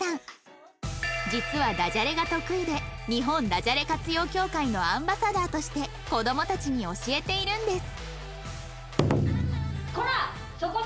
実はダジャレが得意で日本だじゃれ活用協会のアンバサダーとして子供たちに教えているんです